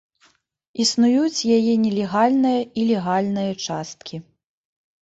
Існуюць яе нелегальная і легальная часткі.